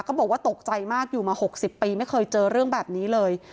บอกว่าตกใจมากอยู่มา๖๐ปีไม่เคยเจอเรื่องแบบนี้เลย